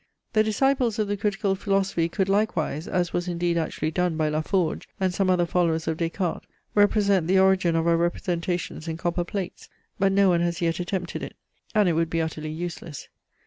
The disciples of the critical philosophy could likewise (as was indeed actually done by La Forge and some other followers of Des Cartes) represent the origin of our representations in copper plates; but no one has yet attempted it, and it would be utterly useless.